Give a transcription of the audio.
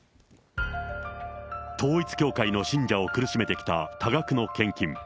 統一教会の信者を苦しめてきた多額の献金。